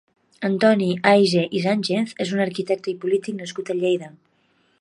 Antoni Aige i Sánchez és un arquitecte i polític nascut a Lleida.